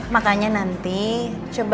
makanya nanti coba rena untuk ambil hati mereka